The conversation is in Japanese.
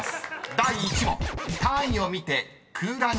［第１問］